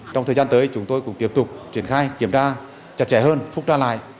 đối với chúng tôi cũng tiếp tục triển khai kiểm tra chặt chẽ hơn phúc trang lại